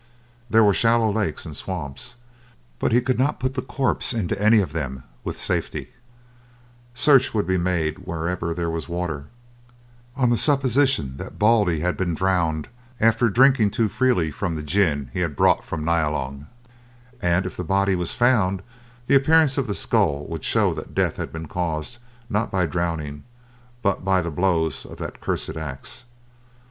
There were shallow lakes and swamps, but he could not put the corpse into any of them with safety: search would be made wherever there was water, on the supposition that Baldy had been drowned after drinking too freely of the gin he had brought from Nyalong, and if the body was found, the appearance of the skull would show that death had been caused, not by drowning, but by the blows of that cursed axe.